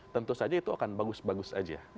tentu saja itu akan bagus bagus saja